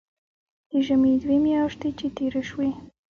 د ژمي دوې مياشتې چې تېرې سوې.